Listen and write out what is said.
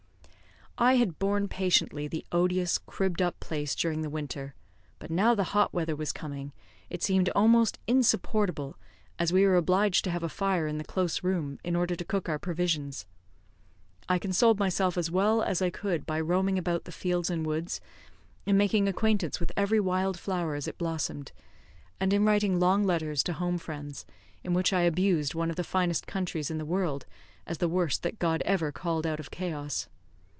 I had borne patiently the odious, cribbed up place during the winter, but now the hot weather was coming, it seemed almost insupportable, as we were obliged to have a fire in the close room, in order to cook our provisions. I consoled myself as well as I could by roaming about the fields and woods, and making acquaintance with every wild flower as it blossomed, and in writing long letters to home friends, in which I abused one of the finest countries in the world as the worst that God ever called out of chaos.